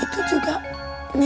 itu juga nenek buyut indri